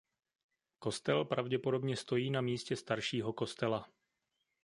Kostel pravděpodobně stojí na místě staršího kostela.